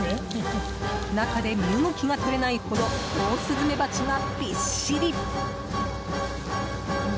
中で身動きがとれないほどオオスズメバチがびっしり。